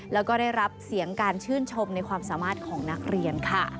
แล้วก็ได้รับเสียงการชื่นชมในความสามารถของนักเรียนค่ะ